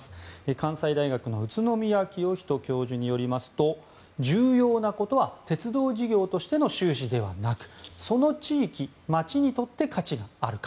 関西大学の宇都宮浄人教授によりますと重要なことは鉄道事業としての収支ではなくその地域、街にとって価値があるか。